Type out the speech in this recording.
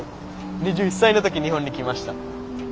２１歳の時日本に来ました。